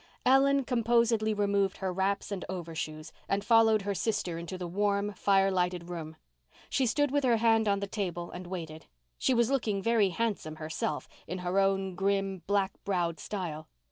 Ellen composedly removed her wraps and overshoes, and followed her sister into the warm, fire lighted room. She stood with her hand on the table and waited. She was looking very handsome herself, in her own grim, black browed style.